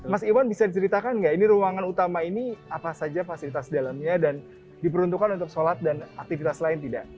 mas iwan bisa diceritakan nggak ini ruangan utama ini apa saja fasilitas dalamnya dan diperuntukkan untuk sholat dan aktivitas lain tidak